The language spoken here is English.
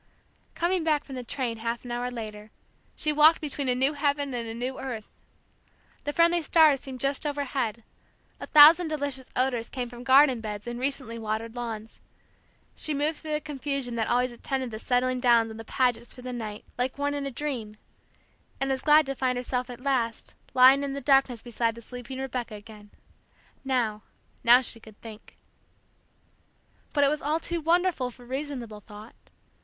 Coming back from the train half an hour later, she walked between a new heaven and a new earth! The friendly stars seemed just overhead; a thousand delicious odors came from garden beds and recently watered lawns. She moved through the confusion that always attended the settling down of the Pagets for the night, like one in a dream, and was glad to find herself at last lying in the darkness beside the sleeping Rebecca again. Now, now, she could think! But it was all too wonderful for reasonable thought.